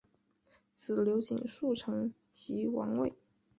子刘景素承袭王位。